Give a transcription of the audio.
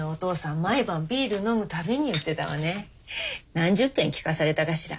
何十ぺん聞かされたかしら。